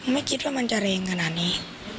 ไม่คิดว่ามันจะแรงขนาดนี้